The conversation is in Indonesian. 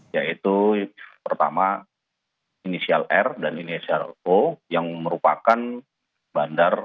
yaitu pertama inisial r dan inisial o yang merupakan bandar